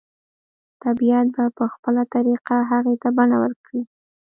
طبیعت به په خپله طریقه هغې ته بڼه ورکړي